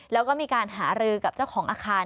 แล้วก็มีการหารือกับเจ้าของอาคาร